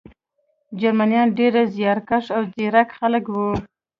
جرمنان ډېر زیارکښ او ځیرک خلک وو